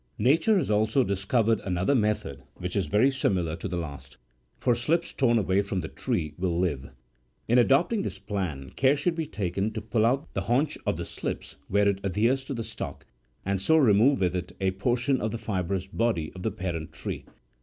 Nature has also discovered another method, which is very similar to the last— for slips torn away from the tree will live. In adopting this plan, care should be taken to pull out the haunch37 of the slip where it adheres to the stock, and so re move with it a portion of the fibrous body of the parent tree.